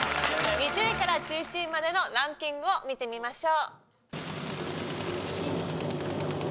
２０位から１１位までのランキングを見てみましょう。